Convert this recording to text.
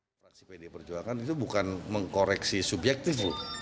pembangunan pd perjuangan itu bukan mengkoreksi subjektif